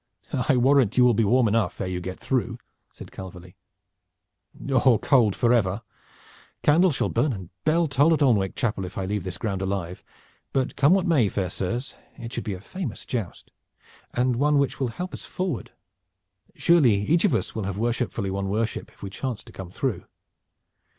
"I warrant you will be warm enough ere you get through," said Calverly. "Or cold forever. Candle shall burn and bell toll at Alnwick Chapel if I leave this ground alive, but come what may, fair sirs, it should be a famous joust and one which will help us forward. Surely each of us will have worshipfully won worship, if we chance to come through."